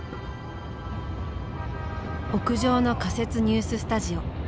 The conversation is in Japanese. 屋上の仮設ニューススタジオ。